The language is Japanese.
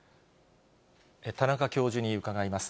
田中教授に伺います。